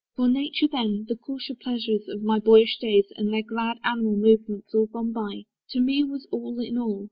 For nature then (The coarser pleasures of my boyish days, And their glad animal movements all gone by,) To me was all in all.